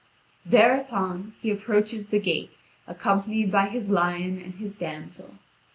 Thereupon, he approaches the gate, accompanied by his lion and his damsel.